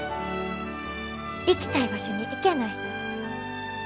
行きたい場所に行けない。